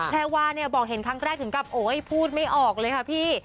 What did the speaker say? แพรวาเนี่ยบอกเห็นครั้งแรกถึงกับโอ๊ยพูดไม่ออกเลยค่ะพี่